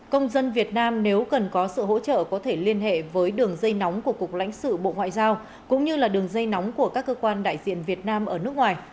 công dân việt nam nếu cần có sự hỗ trợ có thể liên hệ với đường dây nóng của cục lãnh sự bộ ngoại giao cũng như là đường dây nóng của các cơ quan đại diện việt nam ở nước ngoài